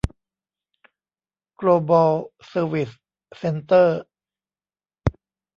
โกลบอล เซอร์วิส เซ็นเตอร์